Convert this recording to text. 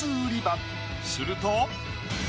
すると。